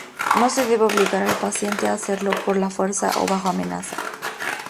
No se debe obligar al paciente a hacerlo por la fuerza o bajo amenaza.